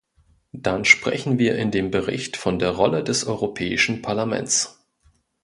Dann sprechen wir in dem Bericht von der Rolle des Europäischen Parlaments.